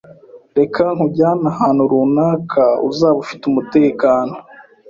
Reka nkujyane ahantu runaka uzaba ufite umutekano